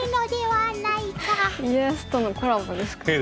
「家康」とのコラボですかね。